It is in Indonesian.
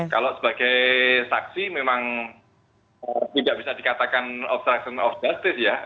kalau sebagai saksi memang tidak bisa dikatakan obstruction of justice ya